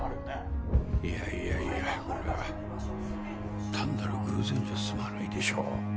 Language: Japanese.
いやいやいやこれは単なる偶然じゃ済まないでしょう。